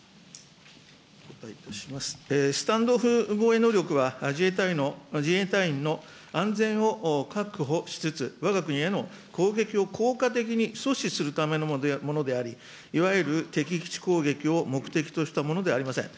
スタンド・オフ防衛能力は、自衛隊員の安全を確保しつつ、わが国への攻撃を効果的に阻止するためのものであり、いわゆる敵基地攻撃を目的としたものではありません。